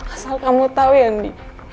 asal kamu tahu ya andi